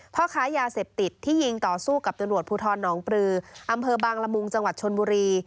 พ่อค้ายาเสพติดที่ยิงต่อสู้กับตำรวจภูทรหนองปลืออำเภอบางละมุงจังหวัดชนบุรี